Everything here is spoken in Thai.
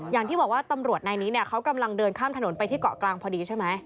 อย่างที่บอกว่าตำรวจนายนี้เนี่ยเขากำลังเดินข้ามถนนไปที่เกาะกลางพอดีใช่ไหม